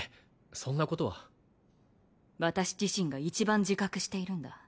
そんなことは私自身が一番自覚しているんだ